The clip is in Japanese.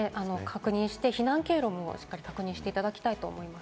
避難経路もしっかり確認していただきたいと思います。